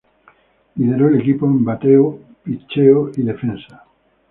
Lideró el equipo en bateo, pitcheo y defensa.